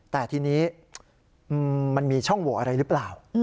แต่ทีนี้มันมีช่องโหวอะไรหรือเปล่า